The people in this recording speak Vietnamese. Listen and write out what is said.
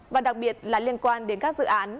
và đặc biệt là liên quan đến các dự án